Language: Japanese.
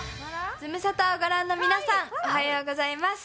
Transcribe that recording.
ズムサタをご覧の皆さん、おはようございます。